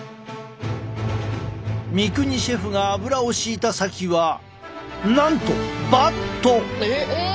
三國シェフが油をしいた先はなんとバット！